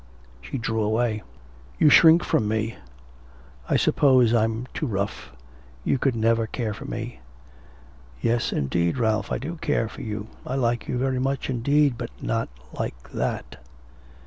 She drew away. 'You shrink from me.... I suppose I'm too rough. You could never care for me.' 'Yes, indeed, Ralph, I do care for you. I like you very much indeed, but not like that.'